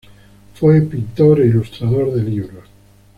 Fue pintor e ilustrador de libros.